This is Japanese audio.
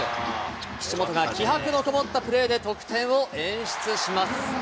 岸本が気迫の込もったプレーで得点を演出します。